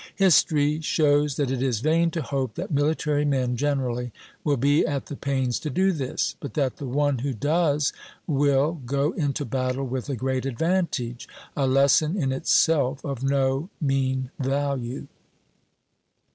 History shows that it is vain to hope that military men generally will be at the pains to do this, but that the one who does will go into battle with a great advantage, a lesson in itself of no mean value.